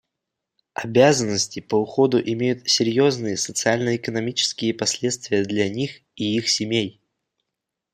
Обязанности по уходу имеют серьезные социально-экономические последствия для них и их семей.